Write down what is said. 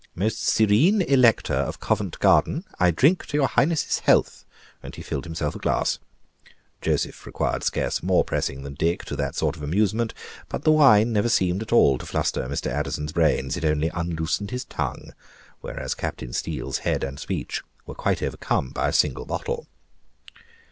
Most Serene Elector of Covent Garden, I drink to your Highness's health," and he filled himself a glass. Joseph required scarce more pressing than Dick to that sort of amusement; but the wine never seemed at all to fluster Mr. Addison's brains; it only unloosed his tongue: whereas Captain Steele's head and speech were quite overcome by a single bottle.